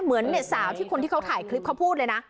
เหมือนสาวที่คนที่เขาถ่ายคลิปเขาพูดเลยนะ